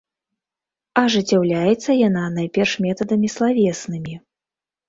Ажыццяўляецца яна найперш метадамі славеснымі.